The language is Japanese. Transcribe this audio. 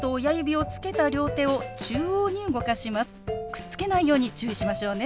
くっつけないように注意しましょうね。